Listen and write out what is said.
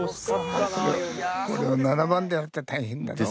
これは７番でやるって大変だぞ。